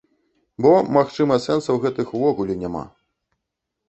Бо, магчыма, сэнсаў гэтых увогуле няма.